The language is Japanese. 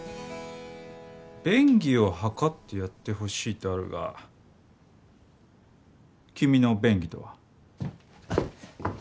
「便宜を図ってやってほしい」とあるが君の「便宜」とは？